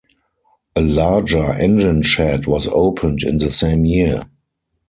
A larger engine shed was opened in the same year.